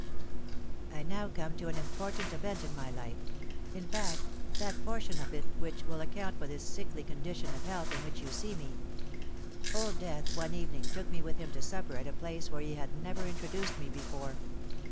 "I now come to an important event in my life—in fact, that portion of it which will account for this sickly condition of health in which you see me. Old Death one evening took me with him to supper at a place where he had never introduced me before.